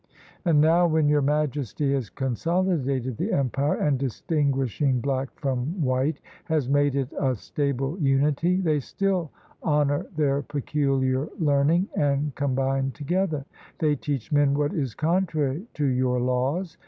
And now, when Your Majesty has consolidated the empire, and, distinguishing black from white, has made it a stable unity, they still honor their peculiar learning and combine together; they teach men what is contrary to your laws.